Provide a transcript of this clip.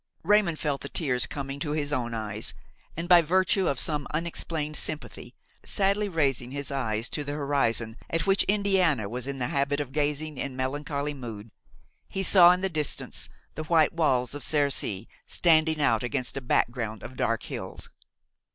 Raymon felt the tears coming to his own eyes, and, by virtue of some unexplained sympathy, sadly raising his eyes to the horizon, at which Indiana was in the habit of gazing in melancholy mood, he saw in the distance the white walls of Cercy standing out against a background of dark hills.